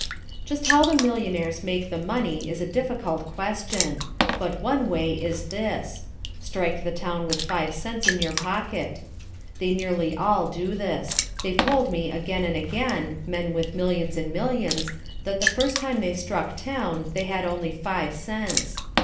Just how the millionaires make the money is a difficult question. But one way is this. Strike the town with five cents in your pocket. They nearly all do this; they've told me again and again (men with millions and millions) that the first time they struck town they had only five cents.